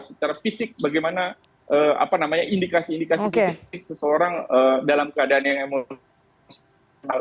secara fisik bagaimana indikasi indikasi positif seseorang dalam keadaan yang emosional